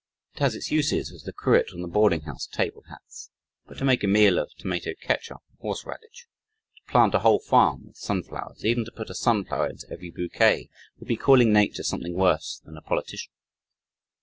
It has its uses as the cruet on the boarding house table has, but to make a meal of tomato ketchup and horse radish, to plant a whole farm with sunflowers, even to put a sunflower into every bouquet, would be calling nature something worse than a politician.